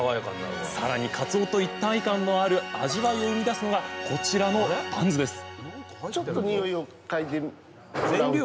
更にかつおと一体感のある味わいを生み出すのがこちらのバンズです